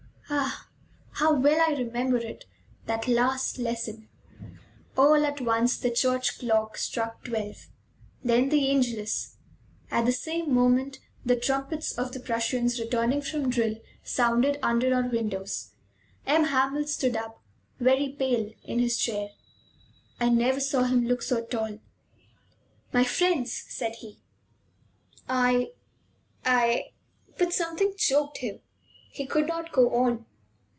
Ah, how well I remember it, that last lesson! All at once the church clock struck twelve. Then the Angelus. At the same moment the trumpets of the Prussians, returning from drill, sounded under our windows. M. Hamel stood up, very pale, in his chair. I never saw him look so tall. "My friends," said he, "I I " But something choked him. He could not go on.